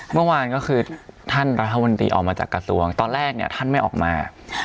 เมื่อวานก็คือท่านรัฐมนตรีออกมาจากกระทรวงตอนแรกเนี่ยท่านไม่ออกมา